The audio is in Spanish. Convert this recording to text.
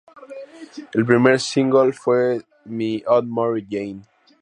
El primer single fue "Me and Mary Jane".